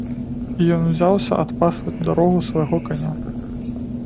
І ён узяўся адпасваць у дарогу свайго каня.